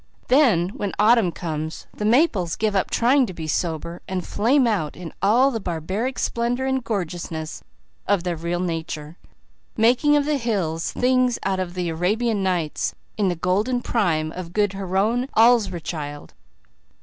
Then when autumn comes, the maples give up trying to be sober and flame out in all the barbaric splendour and gorgeousness of their real nature, making of the hills things out of an Arabian Nights dream in the golden prime of good Haroun Alraschid.